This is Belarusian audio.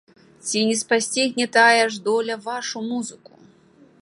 Ці не спасцігне тая ж доля вашу музыку?